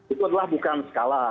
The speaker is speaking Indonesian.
itu adalah bukan skala